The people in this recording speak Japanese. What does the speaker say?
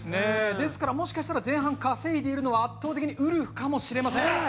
ですからもしかしたら前半稼いでい圧倒的にウルフかもしれません。